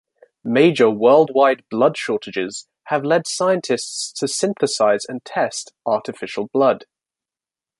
Major worldwide blood shortages have led scientists to synthesize and test artificial blood.